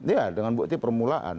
iya dengan bukti permulaan